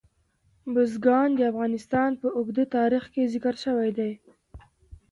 بزګان د افغانستان په اوږده تاریخ کې ذکر شوی دی.